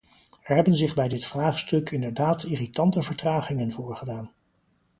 Er hebben zich bij dit vraagstuk inderdaad irritante vertragingen voorgedaan.